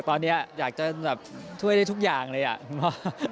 ตอนนี้อยากจะแบบช่วยได้ทุกอย่างเลยอ่ะ